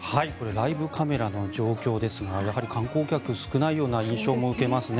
ライブカメラの状況ですがやはり観光客、少ないような印象も受けますね。